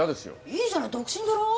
いいじゃない独身だろう。